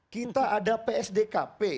kita ada psdkp